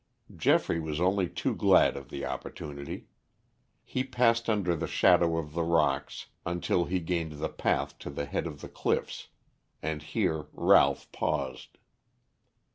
Geoffrey was only too glad of the opportunity. He passed under the shadow of the rocks until he gained the path to the head of the cliffs and here Ralph paused.